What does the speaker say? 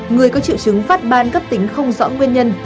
người có triệu chứng phát ban cấp tính không rõ nguyên nhân